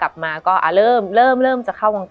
มันทำให้ชีวิตผู้มันไปไม่รอด